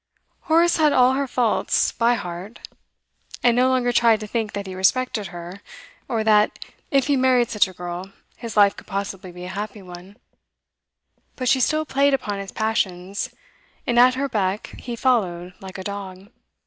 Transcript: Horace had all her faults by heart, and no longer tried to think that he respected her, or that, if he married such a girl, his life could possibly be a happy one; but she still played upon his passions, and at her beck he followed like a dog.